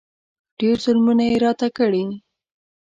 ډېر ظلمونه یې راته کړي.